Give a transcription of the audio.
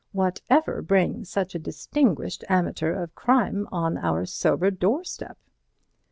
What ever brings such a distinguished amateur of crime on our sober doorstep?"